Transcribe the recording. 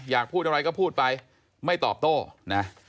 อยากพูดอะไรก็พูดไปไม่ตอบโต้นะ